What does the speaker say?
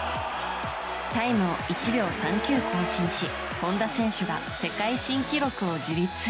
タイムを１秒３９更新し本多選手が世界新記録を樹立。